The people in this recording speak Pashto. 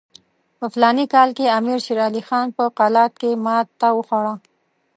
په فلاني کال کې امیر شېر علي خان په قلات کې ماته وخوړه.